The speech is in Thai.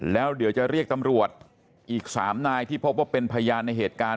แล้วเดี๋ยวจะเรียกตำรวจอีก๓นายที่พบว่าเป็นพยานในเหตุการณ์